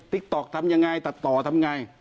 ตัดต่อทำยังไง